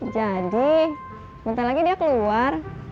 jadi bentar lagi dia keluar